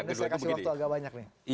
anda saya kasih waktu agak banyak nih